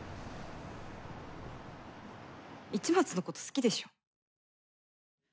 市松のこと好きでしょ？